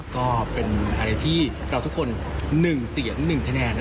ก็เป็นอะไรที่เราทุกคน๑เสียง๑คะแนน